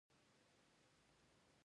آیا دوی خپل هیواد پاک نه ساتي؟